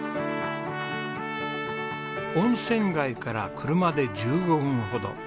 温泉街から車で１５分ほど。